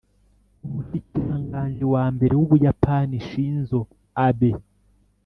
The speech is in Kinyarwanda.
umushikiranganji wa mbere w'Ubuyapani Shinzo Abe